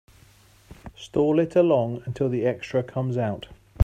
Stall it along until the extra comes out.